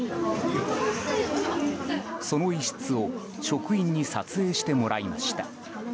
その一室を職員に撮影してもらいました。